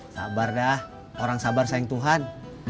sabar dah orang sabar sayang tuhan